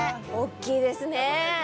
大っきいですね。